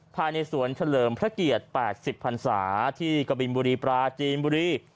ภายในสวนเฉลิมพระเกียรติ๘๐พันศาที่กบินบุรีปลาจีนบุรี